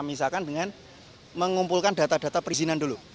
misalkan dengan mengumpulkan data data perizinan dulu